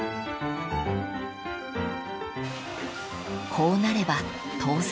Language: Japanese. ［こうなれば当然］